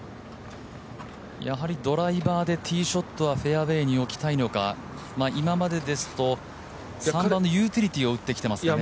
ドライバーでティーショットはフェアウェーに置きたいのか、今までですと３番のユーティリティーを打ってきてますね。